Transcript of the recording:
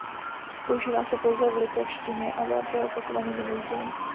Používá se pouze v litevštině a vyjadřuje opakovaný minulý děj.